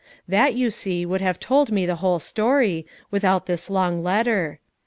'" That, you see, would have told me the whole story, without this long letter.